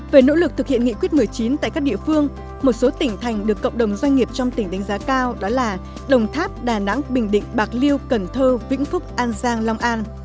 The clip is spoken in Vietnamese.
về nỗ lực thực hiện nghị quyết một mươi chín tại các địa phương một số tỉnh thành được cộng đồng doanh nghiệp trong tỉnh đánh giá cao đó là đồng tháp đà nẵng bình định bạc liêu cần thơ vĩnh phúc an giang long an